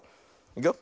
いくよ。